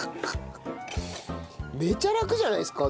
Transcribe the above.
めちゃラクじゃないですか？